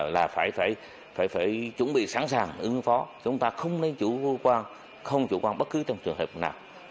là phải chuẩn bị sẵn sàng ứng phó chúng ta không nên chủ vô quan không chủ quan bất cứ trong trường hợp nào